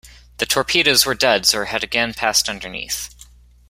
The torpedoes were duds or had again passed underneath.